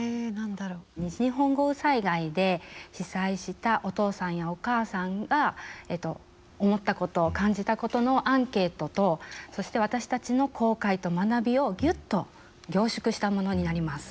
西日本豪雨災害で被災したお父さんやお母さんが思ったこと感じたことのアンケートとそして私たちの後悔と学びをギュッと凝縮したものになります。